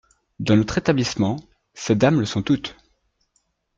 Dans notre établissement, ces dames le sont toutes.